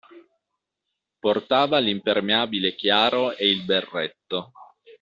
Portava l’impermeabile chiaro e il berretto.